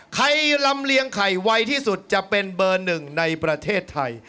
ลำเลียงไข่ไวที่สุดจะเป็นเบอร์หนึ่งในประเทศไทย